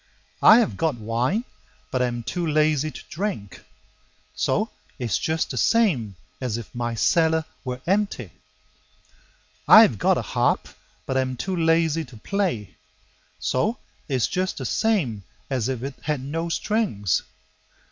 I have got wine, but am too lazy to drink; So it's just the same as if my cellar were empty. I have got a harp, but am too lazy to play; So it's just the same as if it had no strings.